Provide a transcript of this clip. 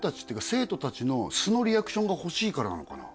生徒達の素のリアクションが欲しいからなのかな